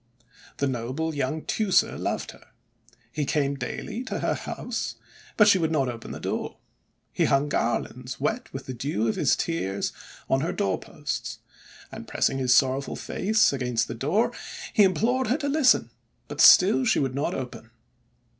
The noble young Teucer loved her. He came daily to her house, but she would not open the door. He hung garlands wet with the dew of his tears on her doorposts, and, pressing his sorrowful face against the door, he implored her to listen; but still she would not open.